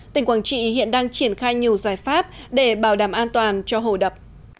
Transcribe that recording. tỉnh quảng trị hiện đang triển khai nhiều giải pháp để bảo đảm an toàn cho hồ đập